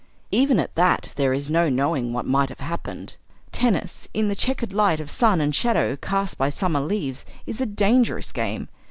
Even at that, there is no knowing what might have happened. Tennis, in the chequered light of sun and shadow cast by summer leaves, is a dangerous game.